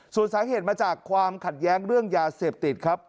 ส่วนสาเหตุมาจากความขัดแย้งเรื่องยาเสพติดครับ